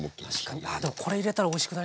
ああでもこれ入れたらおいしくなりそうですね。